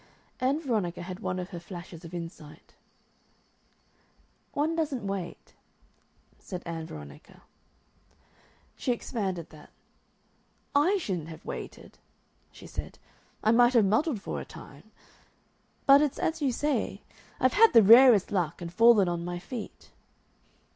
Ann Veronica had one of her flashes of insight. "One doesn't wait," said Ann Veronica. She expanded that. "I shouldn't have waited," she said. "I might have muddled for a time. But it's as you say. I've had the rarest luck and fallen on my feet."